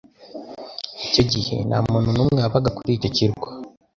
Icyo gihe nta muntu n'umwe wabaga kuri icyo kirwa